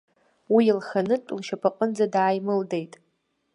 Уи лханытә лшьапанынӡа дааимылдеит.